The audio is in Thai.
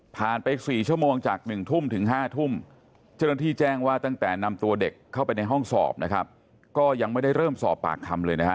ไป๔ชั่วโมงจาก๑ทุ่มถึง๕ทุ่มเจ้าหน้าที่แจ้งว่าตั้งแต่นำตัวเด็กเข้าไปในห้องสอบนะครับก็ยังไม่ได้เริ่มสอบปากคำเลยนะฮะ